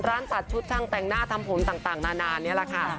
ร้านตัดชุดช่างแต่งหน้าทำผมต่างนานานี่แหละค่ะ